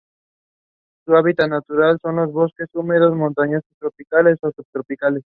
Su hábitat natural son los bosques húmedos montanos tropicales o subtropical.